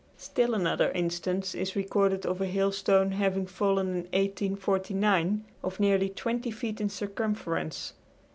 Still another instance is recorded of a hailstone having fallen in 1849 of nearly twenty feet in circumference.